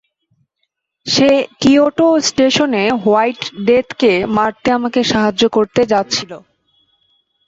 সে Kyoto স্টেশনে white ডেথকে মারতে আমাকে সাহায্য করতে যাচ্ছিলো।